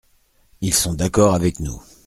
Ils sont d’accord avec nous.